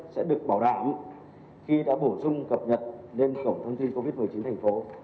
sẽ được bảo đảm khi đã bổ sung cập nhật lên cổng thông tin covid một mươi chín thành phố